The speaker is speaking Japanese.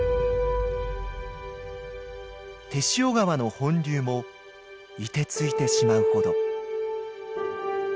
天塩川の本流もいてついてしまうほど。